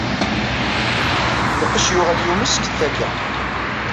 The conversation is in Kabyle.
Lqecc yuɣal yumes seg takka.